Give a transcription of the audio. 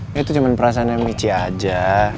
ya itu cuman perasaan yang mici aja